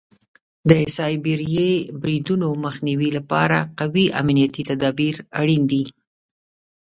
د سایبري بریدونو مخنیوي لپاره قوي امنیتي تدابیر اړین دي.